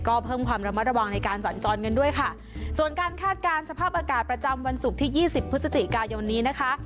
ก็เพิ่มความระมัดระวังในการสัญจรกันด้วยค่ะส่วนการคาดการณ์สภาพอากาศประจำวันศุกร์ที่ยี่สิบพฤศจิกายนนี้นะคะ